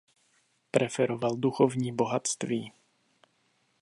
Preferoval duchovní bohatství.